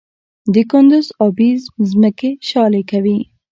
د کندز ابي ځمکې شالې کوي؟